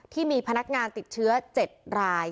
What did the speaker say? ที่มีพนักงานติดเชื้อ๗ราย